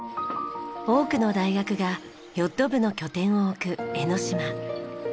多くの大学がヨット部の拠点を置く江の島。